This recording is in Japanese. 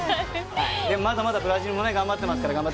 まだまだブラジルも頑張ってますから。